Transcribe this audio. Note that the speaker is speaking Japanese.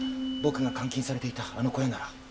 僕が監禁されていたあの小屋なら。